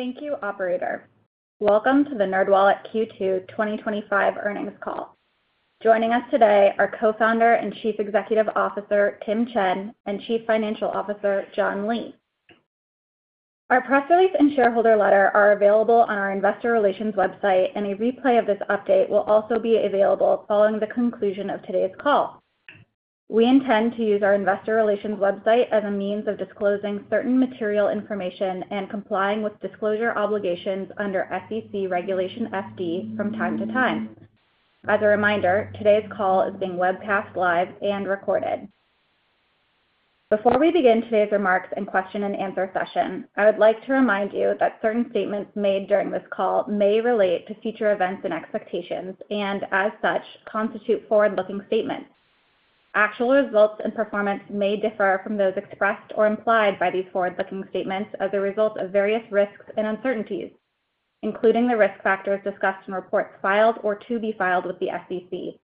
Thank you, operator. Welcome to the NerdWallet Q2 2025 Earnings Call. Joining us today are Co-Founder and Chief Executive Officer, Tim Chen, and Chief Financial Officer, John Lee. Our press release and shareholder letter are available on our Investor Relations website, and a replay of this update will also be available following the conclusion of today's call. We intend to use our Investor Relations website as a means of disclosing certain material information and complying with disclosure obligations under SEC Regulation FD from time to time. As a reminder, today's call is being webcast live and recorded. Before we begin today's remarks and question-and-answer session, I would like to remind you that certain statements made during this call may relate to future events and expectations, and as such, constitute forward-looking statements. Actual results and performance may differ from those expressed or implied by these forward-looking statements as a result of various risks and uncertainties, including the risk factors discussed in reports filed or to be filed with the SEC.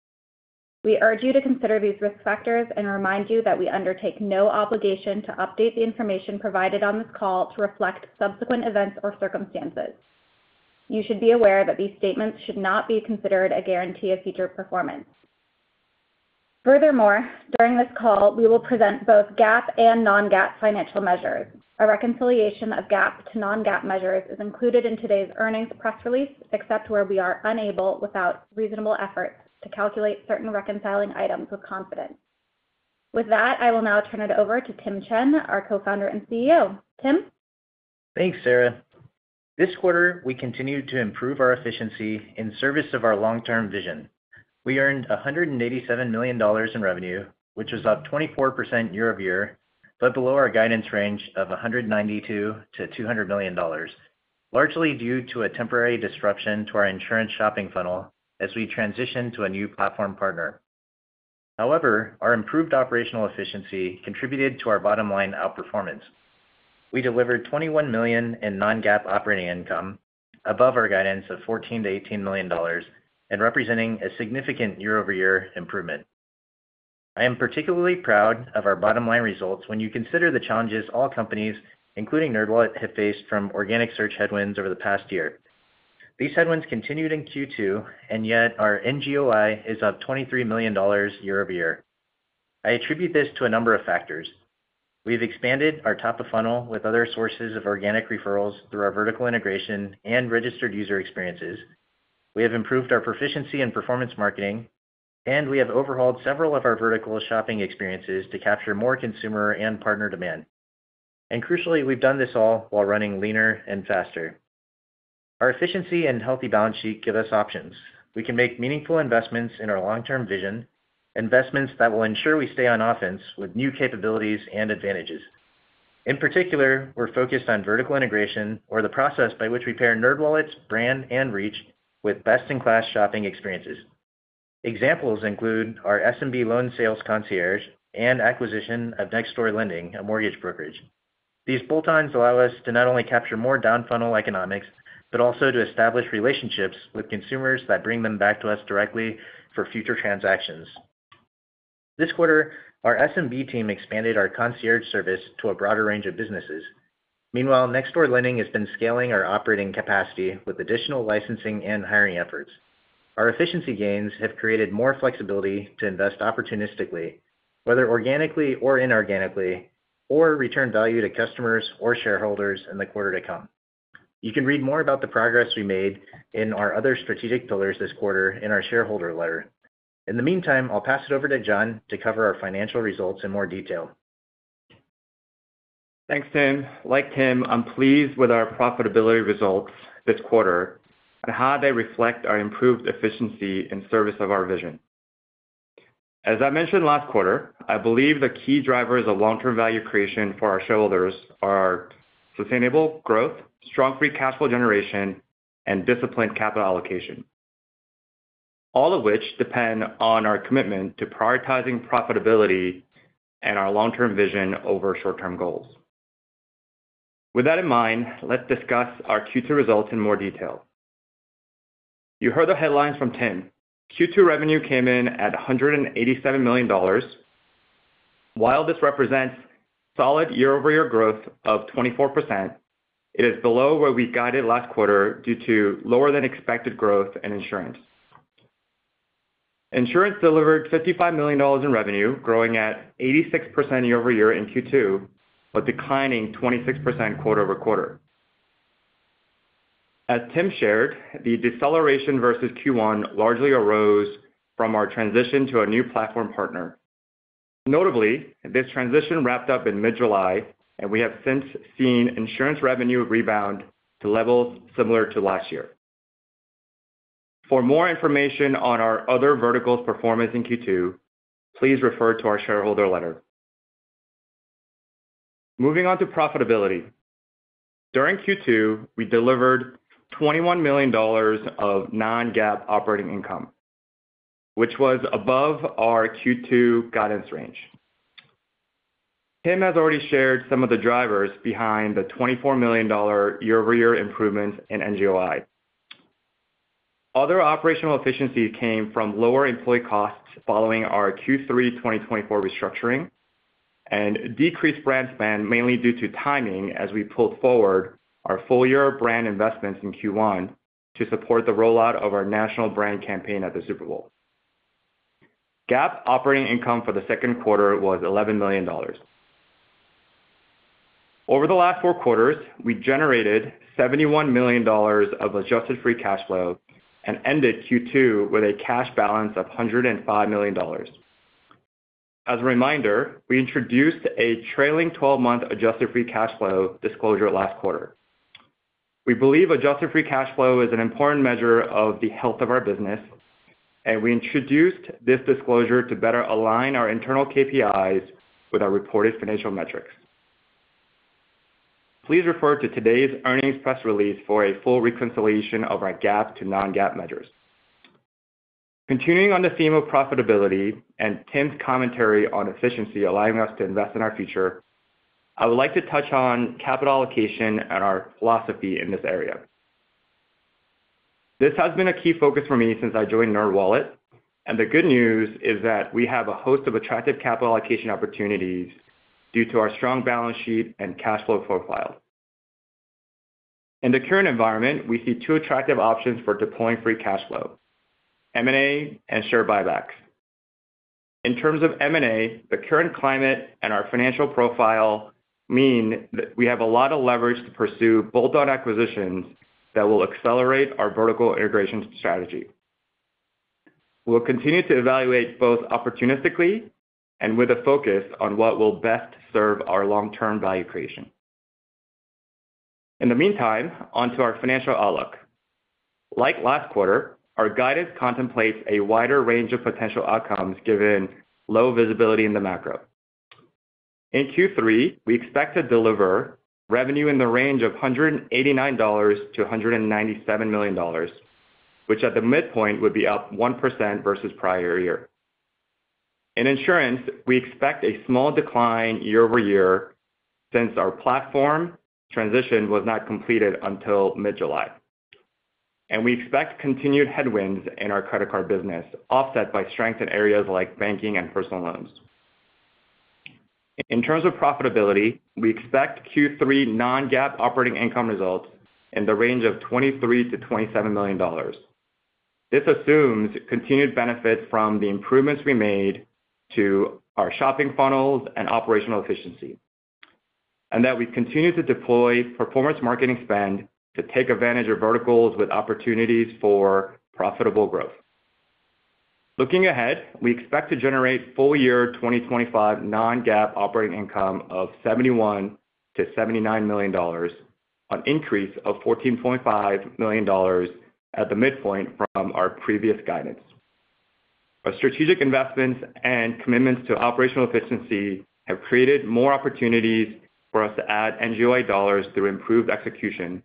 We urge you to consider these risk factors and remind you that we undertake no obligation to update the information provided on this call to reflect subsequent events or circumstances. You should be aware that these statements should not be considered a guarantee of future performance. Furthermore, during this call, we will present both GAAP and non-GAAP financial measures. A reconciliation of GAAP to non-GAAP measures is included in today's earnings press release, except where we are unable, without reasonable effort, to calculate certain reconciling items with confidence. With that, I will now turn it over to Tim Chen, our Co-Founder and CEO. Tim? Thanks, Sara. This quarter, we continued to improve our efficiency in service of our long-term vision. We earned $187 million in revenue, which was up 24% year-over-year, but below our guidance range of $192 million-$200 million, largely due to a temporary disruption to our insurance shopping funnel as we transitioned to a new platform partner. However, our improved operational efficiency contributed to our bottom-line outperformance. We delivered $21 million in non-GAAP operating income, above our guidance of $14 million-$18 million, and representing a significant year-over-year improvement. I am particularly proud of our bottom-line results when you consider the challenges all companies, including NerdWallet, have faced from organic search headwinds over the past year. These headwinds continued in Q2, yet our NGOI is up $23 million year-over-year. I attribute this to a number of factors. We have expanded our top-of-funnel with other sources of organic referrals through our vertical integration and registered user experiences. We have improved our proficiency in performance marketing, and we have overhauled several of our vertical shopping experiences to capture more consumer and partner demand. Crucially, we have done this all while running leaner and faster. Our efficiency and healthy balance sheet give us options. We can make meaningful investments in our long-term vision, investments that will ensure we stay on offense with new capabilities and advantages. In particular, we are focused on vertical integration, or the process by which we pair NerdWallet's brand and reach with best-in-class shopping experiences. Examples include our SMB loan sales concierge and acquisition of Next Door Lending, a mortgage brokerage. These bolt-ons allow us to not only capture more down-funnel economics, but also to establish relationships with consumers that bring them back to us directly for future transactions. This quarter, our SMB team expanded our concierge service to a broader range of businesses. Meanwhile, Next Door Lending has been scaling our operating capacity with additional licensing and hiring efforts. Our efficiency gains have created more flexibility to invest opportunistically, whether organically or inorganically, or return value to customers or shareholders in the quarter to come. You can read more about the progress we made in our other strategic pillars this quarter in our shareholder letter. In the meantime, I'll pass it over to John to cover our financial results in more detail. Thanks, Tim. Like Tim, I'm pleased with our profitability results this quarter and how they reflect our improved efficiency in service of our vision. As I mentioned last quarter, I believe the key drivers of long-term value creation for our shareholders are sustainable growth, strong free cash flow generation, and disciplined capital allocation, all of which depend on our commitment to prioritizing profitability and our long-term vision over short-term goals. With that in mind, let's discuss our Q2 results in more detail. You heard the headlines from Tim. Q2 revenue came in at $187 million. While this represents solid year-over-year growth of 24%, it is below where we guided last quarter due to lower than expected growth in insurance. Insurance delivered $55 million in revenue, growing at 86% year-over-year in Q2, but declining 26% quarter-over-quarter. As Tim shared, the deceleration versus Q1 largely arose from our transition to a new platform partner. Notably, this transition wrapped up in mid-July, and we have since seen insurance revenue rebound to levels similar to last year. For more information on our other verticals' performance in Q2, please refer to our shareholder letter. Moving on to profitability. During Q2, we delivered $21 million of non-GAAP operating income, which was above our Q2 guidance range. Tim has already shared some of the drivers behind the $24 million year-over-year improvements in NGOI. Other operational efficiencies came from lower employee costs following our Q3 2024 restructuring and decreased brand spend, mainly due to timing as we pulled forward our full-year brand investments in Q1 to support the rollout of our national brand campaign at the Super Bowl. GAAP operating income for the second quarter was $11 million. Over the last four quarters, we generated $71 million of adjusted free cash flow and ended Q2 with a cash balance of $105 million. As a reminder, we introduced a trailing 12-month adjusted free cash flow disclosure last quarter. We believe adjusted free cash flow is an important measure of the health of our business, and we introduced this disclosure to better align our internal KPIs with our reported financial metrics. Please refer to today's earnings press release for a full reconciliation of our GAAP to non-GAAP measures. Continuing on the theme of profitability and Tim's commentary on efficiency allowing us to invest in our future, I would like to touch on capital allocation and our philosophy in this area. This has been a key focus for me since I joined NerdWallet, and the good news is that we have a host of attractive capital allocation opportunities due to our strong balance sheet and cash flow profile. In the current environment, we see two attractive options for deploying free cash flow: M&A and share buybacks. In terms of M&A, the current climate and our financial profile mean that we have a lot of leverage to pursue bolt-on acquisitions that will accelerate our vertical integration strategy. We'll continue to evaluate both opportunistically and with a focus on what will best serve our long-term value creation. In the meantime, onto our financial outlook. Like last quarter, our guidance contemplates a wider range of potential outcomes given low visibility in the macro. In Q3, we expect to deliver revenue in the range of $189 million-$197 million, which at the midpoint would be up 1% versus prior year. In insurance, we expect a small decline year-over-year since our platform transition was not completed until mid-July, and we expect continued headwinds in our credit card business, offset by strength in areas like banking and personal loans. In terms of profitability, we expect Q3 non-GAAP operating income results in the range of $23 million-$27 million. This assumes continued benefits from the improvements we made to our shopping funnels and operational efficiency, and that we continue to deploy performance marketing spend to take advantage of verticals with opportunities for profitable growth. Looking ahead, we expect to generate full-year 2025 non-GAAP operating income of $71 million-$79 million, an increase of $14.5 million at the midpoint from our previous guidance. Our strategic investments and commitments to operational efficiency have created more opportunities for us to add NGOI dollars through improved execution,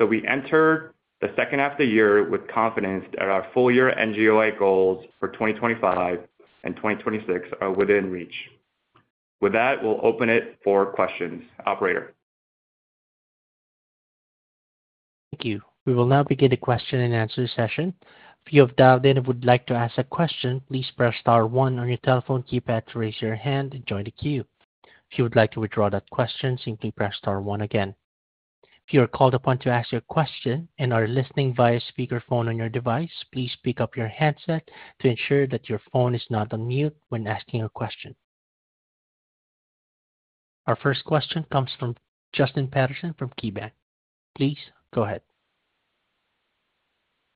so we enter the second half of the year with confidence that our full-year NGOI goals for 2025 and 2026 are within reach. With that, we'll open it for questions. Operator. Thank you. We will now begin the question-and-answer session. If you have dialed in and would like to ask a question, please press star one on your telephone keypad to raise your hand and join the queue. If you would like to withdraw that question, simply press star one again. If you are called upon to ask your question and are listening via speakerphone on your device, please pick up your headset to ensure that your phone is not on mute when asking your question. Our first question comes from Justin Patterson from KeyBanc. Please go ahead.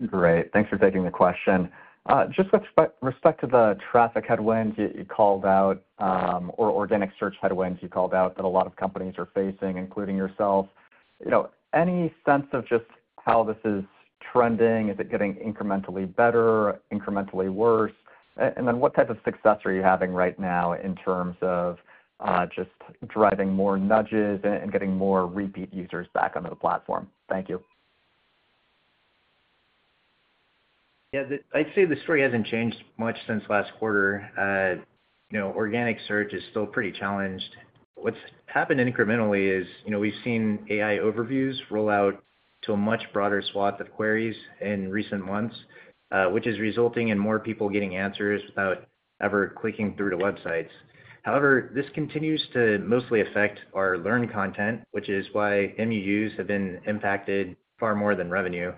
Great. Thanks for taking the question. Just with respect to the traffic headwinds you called out, or organic search headwinds you called out that a lot of companies are facing, including yourself, any sense of just how this is trending? Is it getting incrementally better, incrementally worse? What type of success are you having right now in terms of just driving more nudges and getting more repeat users back onto the platform? Thank you. Yeah, I'd say the story hasn't changed much since last quarter. You know, organic search is still pretty challenged. What's happened incrementally is, you know, we've seen AI overviews roll out to a much broader swath of queries in recent months, which is resulting in more people getting answers without ever clicking through to websites. However, this continues to mostly affect our learned content, which is why MEUs have been impacted far more than revenue.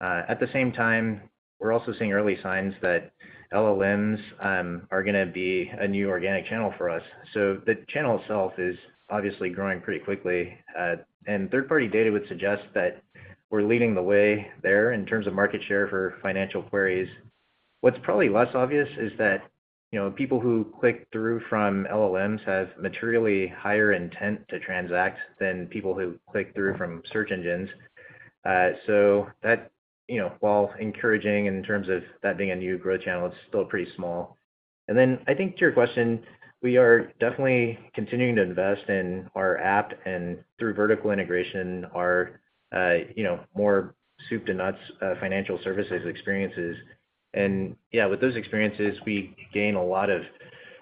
At the same time, we're also seeing early signs that LLMs are going to be a new organic channel for us. The channel itself is obviously growing pretty quickly, and third-party data would suggest that we're leading the way there in terms of market share for financial queries. What's probably less obvious is that, you know, people who click through from LLMs have materially higher intent to transact than people who click through from search engines. That, you know, while encouraging in terms of that being a new growth channel, is still pretty small. I think to your question, we are definitely continuing to invest in our app and through vertical integration, our, you know, more soup-to-nuts financial services experiences. With those experiences, we gain a lot of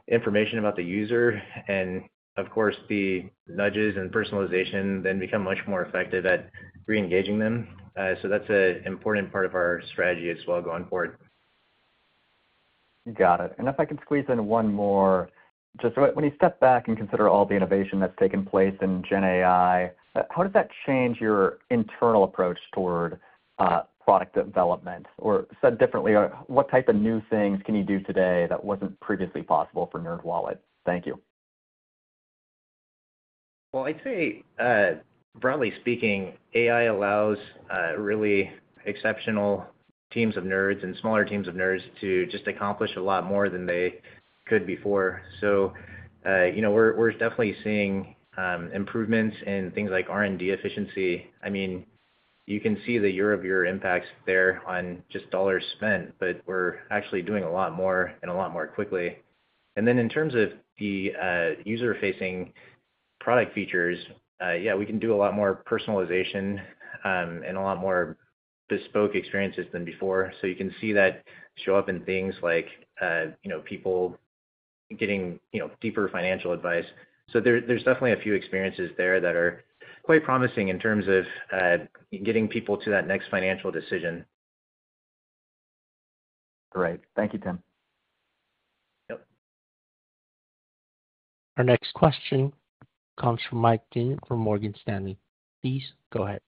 information about the user, and of course, the nudges and personalization then become much more effective at re-engaging them. That's an important part of our strategy as well going forward. Got it. If I could squeeze in one more, just when you step back and consider all the innovation that's taken place in GenAI, how does that change your internal approach toward product development? Or said differently, what type of new things can you do today that wasn't previously possible for NerdWallet? Thank you. AI allows really exceptional teams of nerds and smaller teams of nerds to just accomplish a lot more than they could before. We're definitely seeing improvements in things like R&D efficiency. You can see the year-over-year impacts there on just dollars spent, but we're actually doing a lot more and a lot more quickly. In terms of the user-facing product features, we can do a lot more personalization and a lot more bespoke experiences than before. You can see that show up in things like people getting deeper financial advice. There are definitely a few experiences there that are quite promising in terms of getting people to that next financial decision. Great. Thank you, Tim. Yep. Our next question comes from Mike Dean from Morgan Stanley. Please go ahead.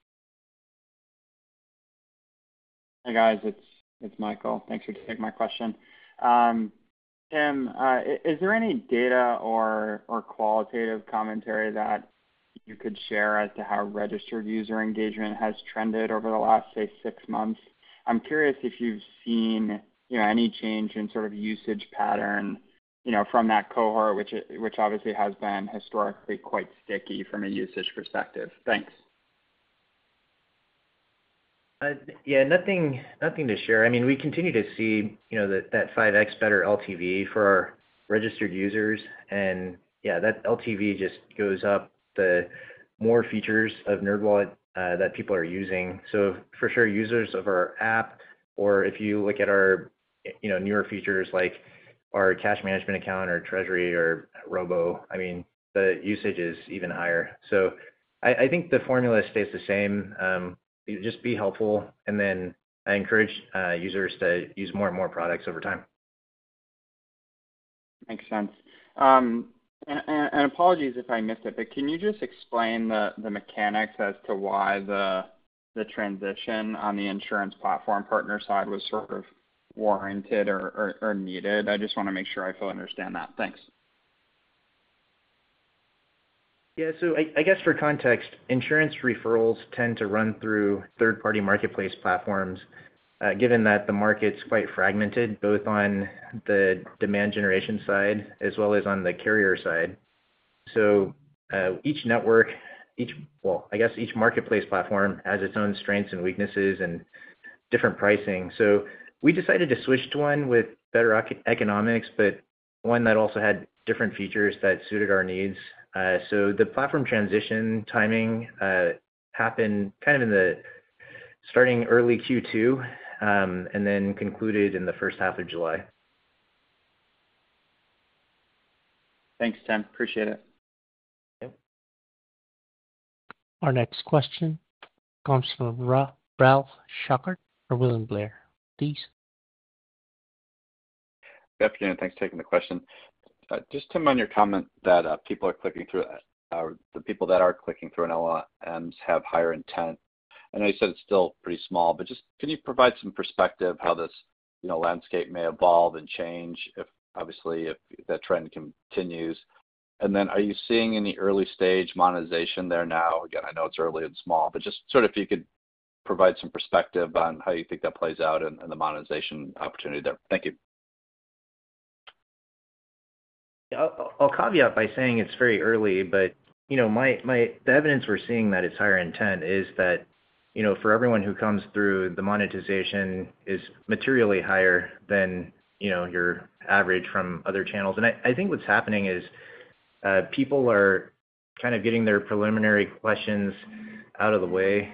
Hey, guys. It's Michael. Thanks for taking my question. Tim, is there any data or qualitative commentary that you could share as to how registered user engagement has trended over the last, say, six months? I'm curious if you've seen any change in sort of usage pattern from that cohort, which obviously has been historically quite sticky from a usage perspective. Thanks. Nothing to share. We continue to see that 5x better LTV for our registered users, and that LTV just goes up the more features of NerdWallet that people are using. For sure, users of our app, or if you look at our newer features like our cash management account or treasury or robo, the usage is even higher. I think the formula stays the same. Just be helpful, and then I encourage users to use more and more products over time. Makes sense. Apologies if I missed it, but can you just explain the mechanics as to why the transition on the insurance platform partner side was sort of warranted or needed? I just want to make sure I fully understand that. Thanks. Yeah, for context, insurance referrals tend to run through third-party marketplace platforms, given that the market's quite fragmented, both on the demand generation side as well as on the carrier side. Each network, each marketplace platform has its own strengths and weaknesses and different pricing. We decided to switch to one with better economics, but one that also had different features that suited our needs. The platform transition timing happened in early Q2 and then concluded in the first half of July. Thanks, Tim. Appreciate it. Yep. Our next question comes from Ralph Schackart from William Blair. Please. Good afternoon. Thanks for taking the question. Just to mind your comment that people are clicking through, the people that are clicking through LLMs have higher intent. I know you said it's still pretty small, but can you provide some perspective of how this landscape may evolve and change if, obviously, that trend continues? Are you seeing any early stage monetization there now? I know it's early and small, but if you could provide some perspective on how you think that plays out and the monetization opportunity there. Thank you. Yeah, I'll caveat by saying it's very early, but the evidence we're seeing that it's higher intent is that for everyone who comes through, the monetization is materially higher than your average from other channels. I think what's happening is people are kind of getting their preliminary questions out of the way,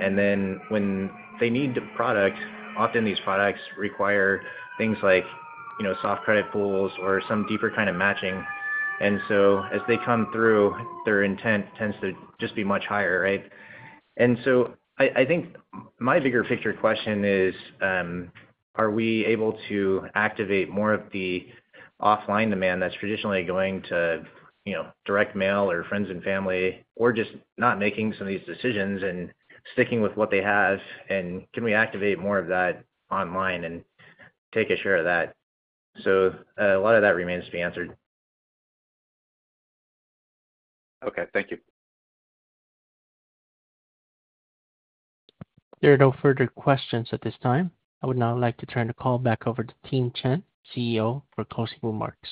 and then when they need products, often these products require things like soft credit pulls or some deeper kind of matching. As they come through, their intent tends to just be much higher, right? I think my bigger picture question is, are we able to activate more of the offline demand that's traditionally going to direct mail or friends and family, or just not making some of these decisions and sticking with what they have? Can we activate more of that online and take a share of that? A lot of that remains to be answered. Okay, thank you. There are no further questions at this time. I would now like to turn the call back over to Tim Chen, CEO, for closing remarks.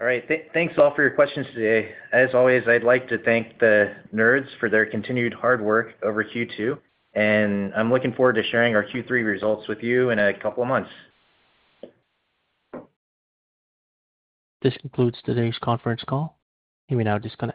All right. Thanks all for your questions today. As always, I'd like to thank the nerds for their continued hard work over Q2, and I'm looking forward to sharing our Q3 results with you in a couple of months. This concludes today's conference call.